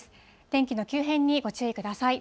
天気の急変にご注意ください。